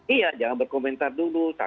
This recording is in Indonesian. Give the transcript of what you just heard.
iya jangan berkomentar dulu